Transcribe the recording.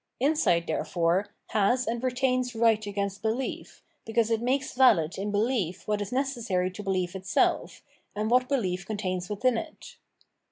Insight, therefore, has and retains right against belief, because it makes valid in belief what is necessary to belief itself, and what belief contains within it.